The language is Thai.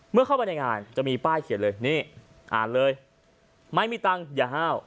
เข้าไปในงานจะมีป้ายเขียนเลยนี่อ่านเลยไม่มีตังค์อย่าห้าว